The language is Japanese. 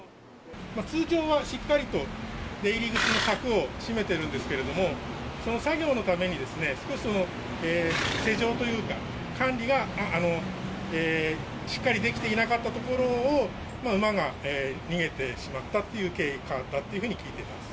通常はしっかりと出入り口の柵を閉めているんですけれども、作業のために少し施錠というか、管理がしっかりできていなかったところを、馬が逃げてしまったっていう経過だというふうに聞いています。